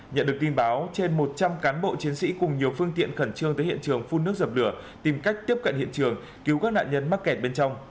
nhận được tin báo trên một trăm linh cán bộ chiến sĩ cùng nhiều phương tiện khẩn trương tới hiện trường phun nước dập lửa tìm cách tiếp cận hiện trường cứu các nạn nhân mắc kẹt bên trong